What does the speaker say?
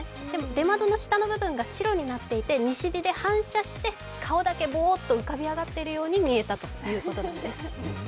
出窓の下の部分が白になっていて西日で反射して顔だけボーッと浮かび上がっているように見えたということです。